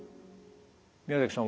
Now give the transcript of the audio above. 宮崎さん